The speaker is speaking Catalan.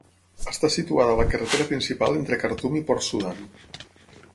Està situada a la carretera principal entre Khartum i Port Sudan.